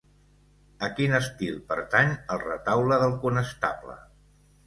A quin estil pertany el Retaule del Conestable?